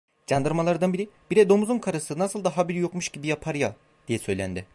Candarmalardan biri: "Bire domuzun karısı, nasıl da haberi yokmuş gibi yapar ya!" diye söylendi.